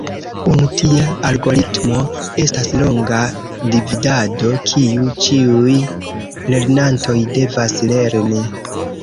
Unu tia algoritmo estas longa dividado, kiu ĉiuj lernantoj devas lerni.